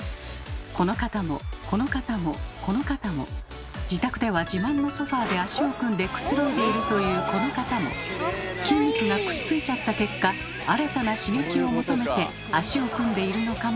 この方もこの方もこの方も自宅では自慢のソファーで足を組んでくつろいでいるというこの方も筋肉がくっついちゃった結果新たな刺激を求めて足を組んでいるのかもしれません。